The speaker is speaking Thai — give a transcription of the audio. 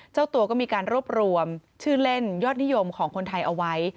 เจ้าตัวก็มีการรวบรวมชื่อเล่นยอดนิยมของคนไทยเอาไว้